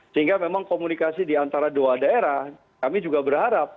sehingga memang komunikasi diantara dua daerah kami juga berharap